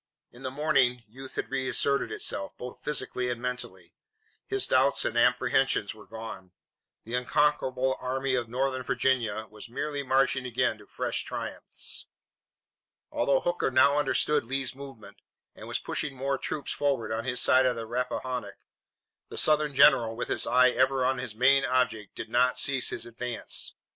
In the morning youth had reasserted itself, both physically and mentally. His doubts and apprehensions were gone. The unconquerable Army of Northern Virginia was merely marching again to fresh triumphs. Although Hooker now understood Lee's movement, and was pushing more troops forward on his side of the Rappahannock, the Southern general, with his eye ever on his main object, did not cease his advance.